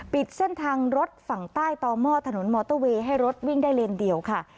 ปิดเส้นทางรถฝั่งใต้ต่อหม้อถนนมอเตอร์เวย์ให้รถวิ่งได้เลนเดียวค่ะ